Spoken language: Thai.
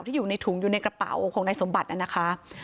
อยู่ในถุงอยู่ในกระเป๋าของนายสมบัตินะคะ